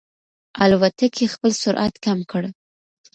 الوتکې خپل سرعت کم کړ.